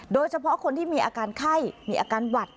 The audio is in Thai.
โดยเฉพาะคนที่มีอาการไข้มีอาการหวัด